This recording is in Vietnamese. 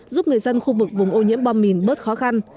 giúp người dân khu vực vùng ô nhiễm bom mìn bớt khó khăn